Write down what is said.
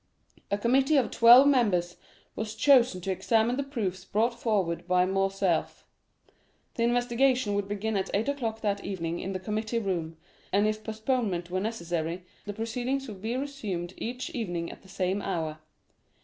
A committee of twelve members was chosen to examine the proofs brought forward by Morcerf. The investigation would begin at eight o'clock that evening in the committee room, and if postponement were necessary, the proceedings would be resumed each evening at the same hour.